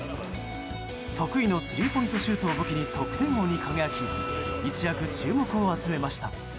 得意のスリーポイントシュートを武器に得点王に輝き一躍、注目を集めました。